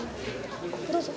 どうぞ。